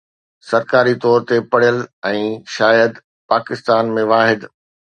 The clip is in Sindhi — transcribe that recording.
سرڪاري طور تي پڙهيل ۽ شايد پاڪستان ۾ واحد